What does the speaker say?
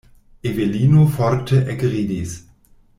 Evelino forte ekridis.